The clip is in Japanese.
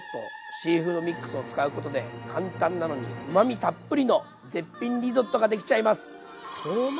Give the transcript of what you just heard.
シーフードミックスを使うことで簡単なのにうまみたっぷりの絶品リゾットができちゃいます。